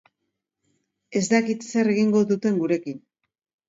Ez dakit zer egingo duten gurekin.